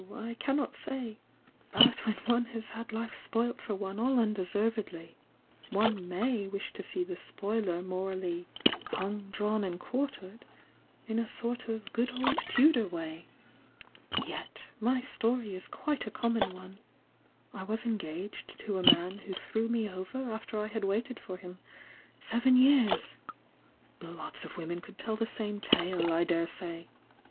I cannot say ! But when one has had life spoilt for one all undeservedly, one may wish to see the spoiler morally 'hung, drawn and quartered' in a sort of good old 'Tudor way ! Yet my story is quite a common one, — I was engaged to a man who threw me over after I had waited for him seven years — lots of women could tell the same tale, I dare say!